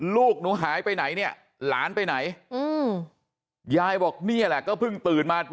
ลูกหนูหายไปไหนเนี่ยหลานไปไหนอืมยายบอกนี่แหละก็เพิ่งตื่นมา